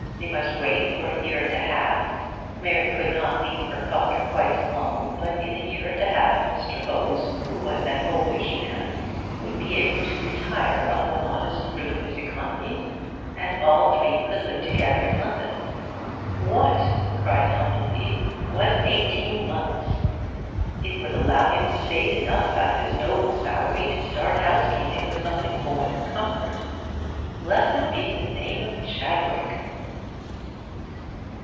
They must wait for a year and a half; Mary could not leave her father quite alone, but in a year and a half Mr. Bowes, who was an oldish man, would be able to retire on the modest fruit of his economies, and all three could live together in London. 'What,' cried Humplebee, 'was eighteen months? It would allow him to save enough out of his noble salary to start housekeeping with something more than comfort. Blessed be the name of Chadwick!'